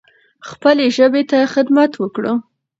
خپلې ژبې ته خدمت وکړو.